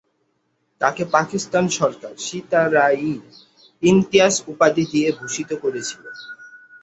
তাকে পাকিস্তান সরকার সিতারা-ই-ইমতিয়াজ উপাধী দিয়ে ভূষিত করেছিল।